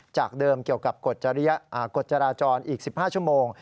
จากเดิมเกี่ยวกับกฎจราจรอีก๑๕ชั่วโมง